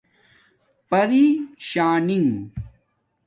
پری شانگ